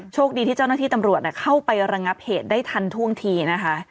โชคดีที่เจ้าหน้าที่ตำรวจเข้าไประงับเหตุได้ทันท่วงทีนะคะ